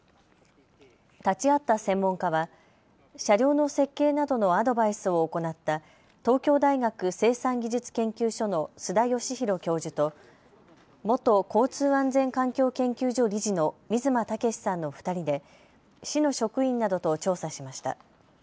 立ち会った専門家は車両の設計などのアドバイスを行った東京大学生産技術研究所の須田義大教授と元交通安全環境研究所理事の水間毅さんの２人で市の職員などと調査しました。